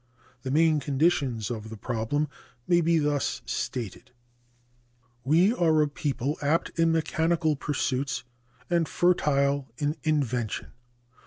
The main conditions of the problem may be thus stated: We are a people apt in mechanical pursuits and fertile in invention.